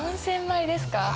４０００枚ですか。